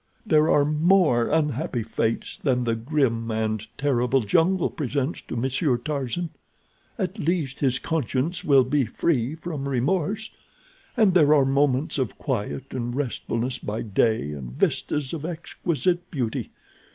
There are more unhappy fates than the grim and terrible jungle presents to Monsieur Tarzan. At least his conscience will be free from remorse. And there are moments of quiet and restfulness by day, and vistas of exquisite beauty.